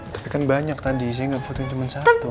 tapi kan banyak tadi saya nggak fotoin cuma satu